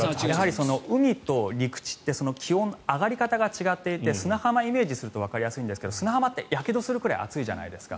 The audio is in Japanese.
海と陸地って気温の上がり方が違っていて砂浜をイメージするとわかりやすいんですが砂浜ってやけどするくらい熱いじゃないですか。